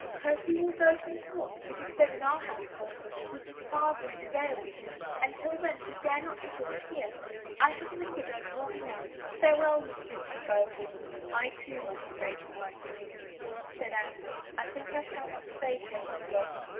Percy will go from court, it is said in our household, with his father in a day or two, and till then he dare not resort here. I have lingered over long now. Farewell, mis tresses both." " I, too, must be making my excuses," said Anne. " I think I shall not stay here longer."